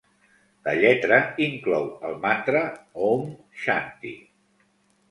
La lletra inclou el mantra Om shanti.